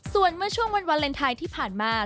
ส่วนเมื่อช่วงวันวาเลนไทยที่ผ่านมา